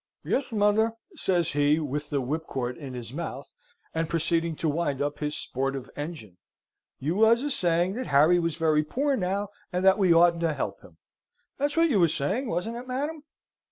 "Yes, mother," says he, with the whipcord in his mouth, and proceeding to wind up his sportive engine. "You was a saying that Harry was very poor now, and that we oughtn't to help him. That's what you was saying; wasn't it, madam?"